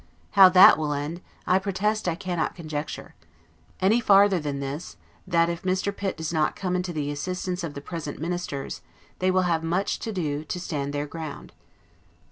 How that will end, I protest I cannot conjecture; any farther than this, that if Mr. Pitt does not come into the assistance of the present ministers, they will have much to do to stand their ground.